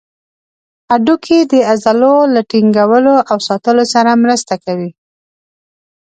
هډوکي د عضلو له ټینګولو او ساتلو سره مرسته کوي.